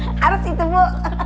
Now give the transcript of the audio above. hahaha harus itu bu